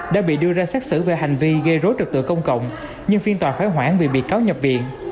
đã bị đưa ra xét xử về hành vi gây rối trật tự công cộng nhưng phiên tòa phải hoãn vì bị cáo nhập viện